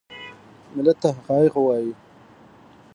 ملت ته حقایق ووایي .